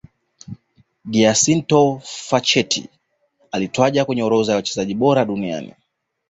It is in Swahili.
giacinto facchetti alitajwa kwenye orodha ya wachezaji bora duniani